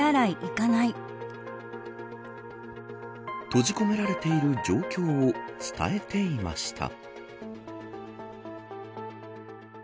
閉じ込められている状況を伝えていました。